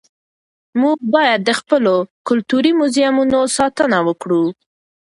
موږ باید د خپلو کلتوري موزیمونو ساتنه وکړو.